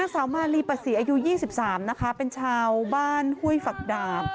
สาวมาลีปะศิอายุ๑๓เป็นชาวบ้านฮุ่ยฝักดาบ